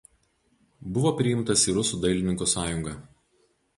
Buvo priimtas į rusų dailininkų sąjungą.